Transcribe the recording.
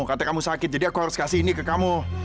katanya kamu sakit jadi aku harus kasih ini ke kamu